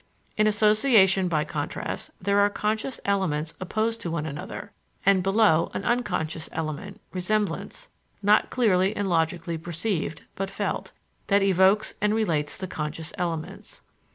In association by contrast, there are conscious elements opposed to one another, and below, an unconscious element, resemblance, not clearly and logically perceived, but felt that evokes and relates the conscious elements.